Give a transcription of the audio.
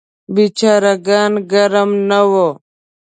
بیچاره ګان ګرم نه وو.